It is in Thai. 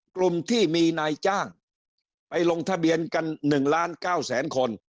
กลุ่มที่มีนายจ้างไปลงทะเบียนกัน๑ล้าน๙แสนคน